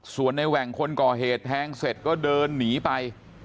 ส่วนในแหว่งคนก่อเหตุแทงเสร็จก็เดินหนีไป